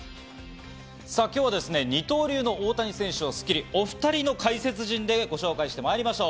今日は二刀流の大谷選手を『スッキリ』お２人の解説陣でご紹介してまいりましょう。